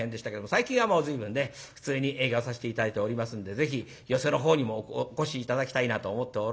最近はもう随分ね普通に営業さして頂いておりますんでぜひ寄席のほうにもお越し頂きたいなと思っておるんですけれどもね。